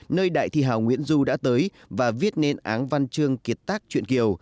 nơi đại thi hào nguyễn du đã tới và viết nên áng văn chương kiệt tác truyện kiều